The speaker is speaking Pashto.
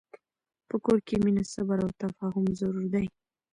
په کور کې مینه، صبر، او تفاهم ضرور دي.